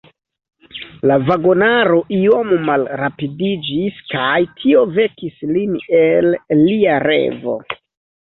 La vagonaro iom malrapidiĝis, kaj tio vekis lin el lia revo.